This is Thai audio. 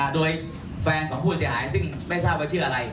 โดยแฟนของผู้เสียหายซึ่งไม่ทราบว่าชื่ออะไร